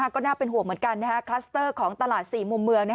ก็น่าเป็นห่วงเหมือนกันคลัสเตอร์ของตลาด๔มุมเมือง